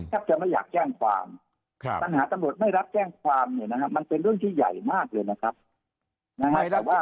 จะไม่อยากแจ้งความปัญหาตำรวจไม่รับแจ้งความเนี่ยนะครับมันเป็นเรื่องที่ใหญ่มากเลยนะครับ